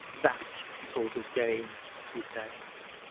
That sort of game,' he said.